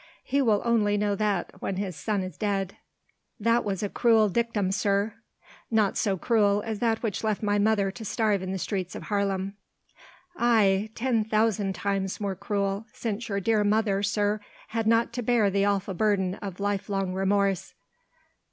"He will only know that when his son is dead." "That was a cruel dictum, sir." "Not so cruel as that which left my mother to starve in the streets of Haarlem." "Aye! ten thousand times more cruel, since your dear mother, sir, had not to bear the awful burden of lifelong remorse."